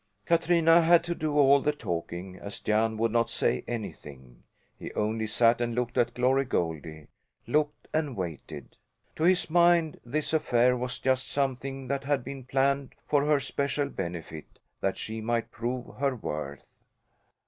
Katrina had to do all the talking, as Jan would not say anything; he only sat and looked at Glory Goldie looked and waited. To his mind this affair was just something that had been planned for her special benefit, that she might prove her worth.